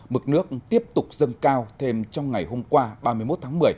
mực nước tiếp tục dâng cao thêm trong ngày hôm qua ba mươi một tháng một mươi